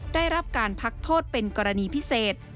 ได้รับการพักโทษเป็นกรณีพิเศษ